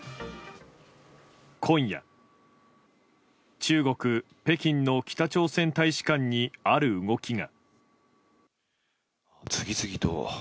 今夜中国・北京の北朝鮮大使館にある動きが。